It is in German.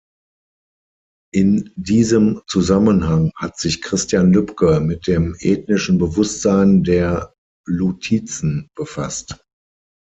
In diesem Zusammenhang hat sich Christian Lübke mit dem ethnischen Bewusstsein der Lutizen befasst.